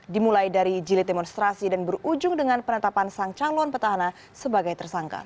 dimulai dari jilid demonstrasi dan berujung dengan penetapan sang calon petahana sebagai tersangka